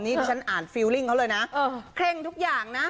นี่ที่ฉันอ่านฟิลลิ่งเขาเลยนะเคร่งทุกอย่างนะ